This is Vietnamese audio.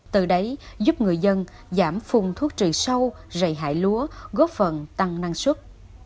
từ đấy giúp người dân giảm phun thuốc trị sâu rầy hại lúa góp phần tăng năng suất